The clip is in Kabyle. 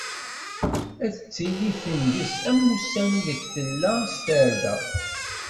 Ad tili tenǧes am wussan ideg tella s tarda.